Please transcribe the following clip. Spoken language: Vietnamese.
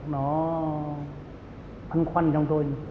nó hăng khoăn trong tôi